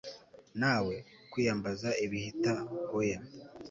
nawe ? kwiyambaza ibihita, oya